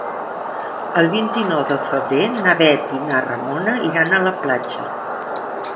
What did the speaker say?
El vint-i-nou de febrer na Bet i na Ramona iran a la platja.